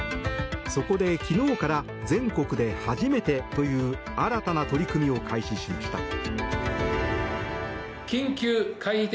そこで、昨日から全国で初めてという新たな取り組みを開始しました。